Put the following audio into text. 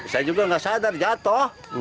saya juga nggak sadar jatuh